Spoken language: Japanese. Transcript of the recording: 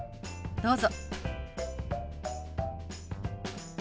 どうぞ。